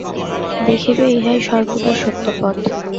দেখিবে ইহাই সর্বদা সত্য পথ।